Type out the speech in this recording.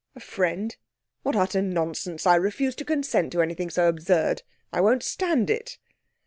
'A friend? What utter nonsense! I refuse to consent to anything so absurd. I won't stand it!'